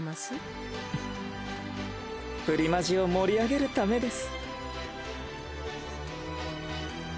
フフップリマジを盛り上げるためです。